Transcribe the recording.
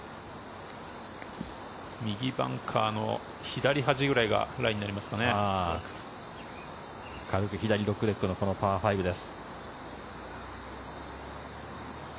右バンカーの左端ぐらいがラ左ドッグレッグのパー５です。